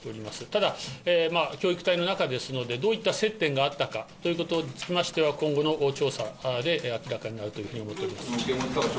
ただ、教育隊の中ですので、どういった接点があったかということにつきましては、今後の調査で明らかになるというふうに思っております。